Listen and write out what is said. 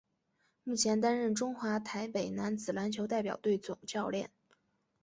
目前担任中华台北男子篮球代表队总教练。